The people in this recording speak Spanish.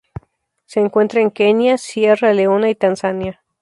Se encuentra en Kenia, Sierra Leona y Tanzania.